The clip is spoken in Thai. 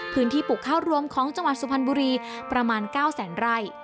ปลูกข้าวรวมของจังหวัดสุพรรณบุรีประมาณ๙แสนไร่